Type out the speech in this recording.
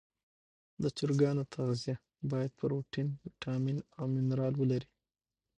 د چرګانو تغذیه باید پروټین، ویټامین او منرال ولري.